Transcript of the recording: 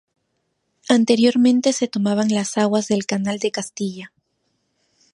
Anteriormente se tomaban las aguas del canal de Castilla.